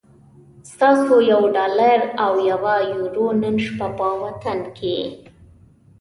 ستاسو یو ډالر او یوه یورو نن شپه په وطن کی